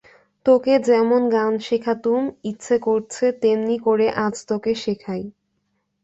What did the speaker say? তোকে যেমন গান শেখাতুম, ইচ্ছে করছে তেমনি করে আজ তোকে শেখাই।